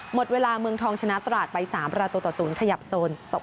หมดเวลาเมืองทองชนะตราดไป๓ราตรต่อ๐